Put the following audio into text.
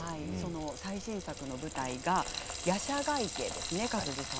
最新作の舞台が「夜叉ヶ池」です。